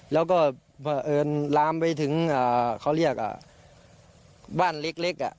แล้วก็เผอิญลามไปถึงเขาเรียกบ้านเล็ก